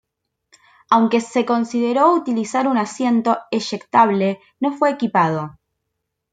Aunque se consideró utilizar un asiento eyectable no fue equipado.